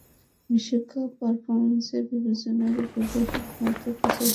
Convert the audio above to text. বিশ্বকাপ পারফরম্যান্সের বিবেচনায় রুবেল হোসেন হয়তো পেসার হিসেবে জায়গাটা পাকাপাকিই করে রেখেছেন।